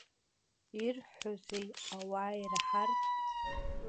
Ирҳәозеи ауаа ираҳар?